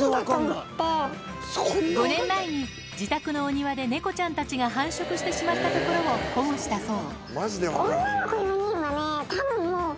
５年前に自宅のお庭で猫ちゃんたちが繁殖してしまったところを保護したそうたぶんもう。